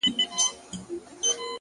نه ښېرا نه کوم هغه څومره نازک زړه لري،